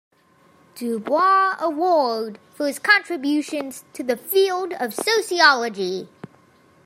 Du Bois Award for his contributions to the field of sociology.